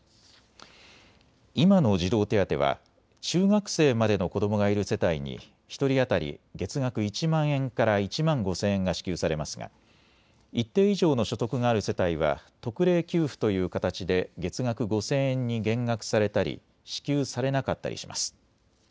今の児童手当は中学生までの子どもがいる世帯に１人当たり月額１万円から１万５０００円が支給されますが一定以上の所得がある世帯は特例給付という形で月額５０００円に減額されたり支給されなかったりします。